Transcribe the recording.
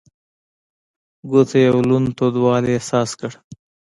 ګوتو يې لوند تودوالی احساس کړ.